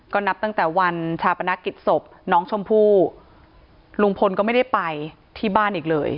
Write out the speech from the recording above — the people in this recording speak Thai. ก็นับตั้งแต่วันชาปนกิจศพน้องชมพู่ลุงพลก็ไม่ได้ไปที่บ้านอีกเลย